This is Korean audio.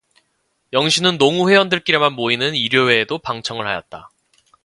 영신은 농우회원들끼리만 모이는 일요회에도 방청을 하였다.